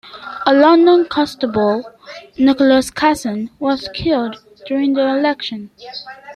A London constable, Nicholas Casson, was killed during the election.